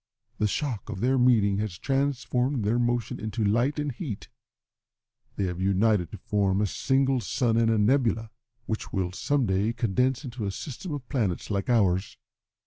The shock of their meeting has transformed their motion into light and heat. They have united to form a single sun and a nebula, which will some day condense into a system of planets like ours.